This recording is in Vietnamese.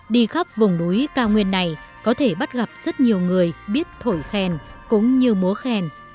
đi khắp vùng núi cao nguyên này có thể bắt gặp rất nhiều người biết thổi khen cũng như múa khen